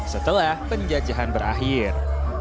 setelah penjajahan berakhir